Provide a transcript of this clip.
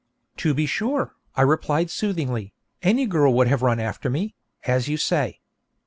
'To be sure,' I replied soothingly, 'any girl would have run after me, as you say.'